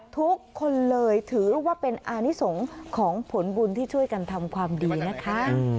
ทุกคนเลยถือว่าเป็นอานิสงฆ์ของผลบุญที่ช่วยกันทำความดีนะคะ